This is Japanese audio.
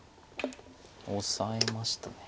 オサえました。